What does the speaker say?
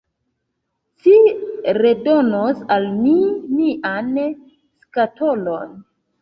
Ci redonos al mi mian skatolon.